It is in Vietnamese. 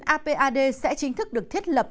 apad sẽ chính thức được thiết lập